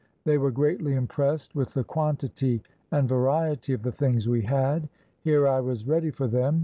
They were greatly impressed with the quantity and variety of the things we had. Here I was ready for them.